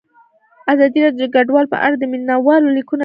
ازادي راډیو د کډوال په اړه د مینه والو لیکونه لوستي.